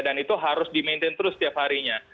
dan itu harus dimaintain terus setiap harinya